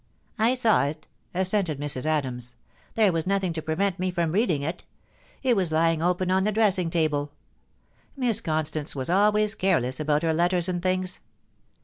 'I saw it,' assented Mrs. Adams. 'There was nothing to prevent me from reading it It was lying open on the dressing table. Miss Constance was always careless about her letters and things.